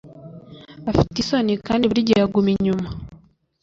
afite isoni kandi buri gihe aguma inyuma.